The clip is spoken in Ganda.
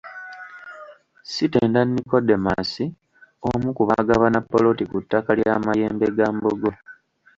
Sitenda Nicodemus omu ku baagabana poloti ku ttaka lya Mayembegambogo.